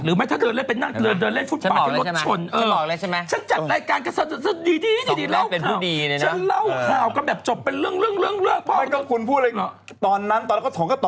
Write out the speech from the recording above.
หรือไม่ถ้าเดินเล่นไปนั่งเดินเล่นฟุตบาท